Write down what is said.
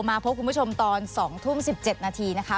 มาพบคุณผู้ชมตอน๒ทุ่ม๑๗นาทีนะคะ